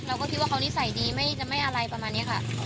เราก็คิดว่าเขานิสัยดีไม่อะไรประมาณนี้ค่ะ